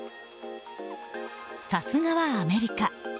さすがはアメリカ。